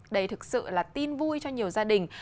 đây thực sự là tin vui cho nhiều gia đình